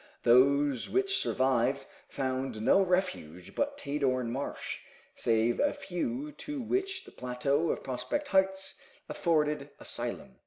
Those which survived found no refuge but Tadorn Marsh, save a few to which the plateau of Prospect Heights afforded asylum.